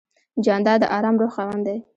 جانداد د آرام روح خاوند دی.